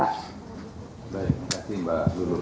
baik terima kasih mbak nurul